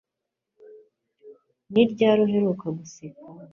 Ni ryari uheruka guseka